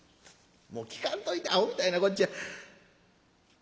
もう聞かんといてあほみたいなこっちゃ。